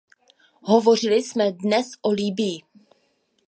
Hovořili jsme dnes o Libyi.